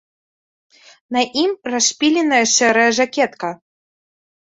На ім расшпіленая шэрая жакетка.